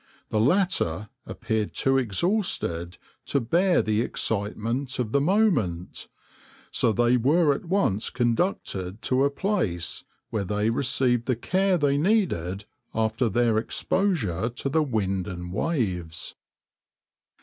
The latter appeared too exhausted to bear the excitement of the moment, so they were at once conducted to a place where they received the care they needed after their exposure to the wind and waves.